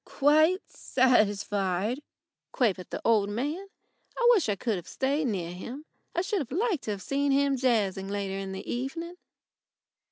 "Quite satisfied," quavered the old man. I wish I could have stayed near him. I should like to have seen him jazzing later in the evening.